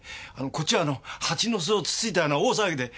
こっちは蜂の巣をつついたような大騒ぎで。